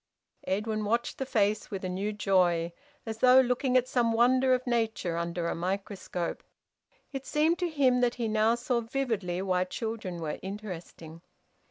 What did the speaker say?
Edwin watched the face with a new joy, as though looking at some wonder of nature under a microscope. It seemed to him that he now saw vividly why children were interesting.